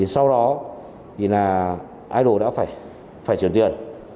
sau đó thì là idol đã phải truyền tiền